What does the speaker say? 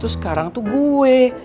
sekarang tuh gue